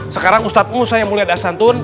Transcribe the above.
sekarang ustadz musa yang mulia dasantun